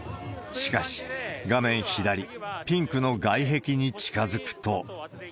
しかし、画面左、ピンクの外壁に近づくと。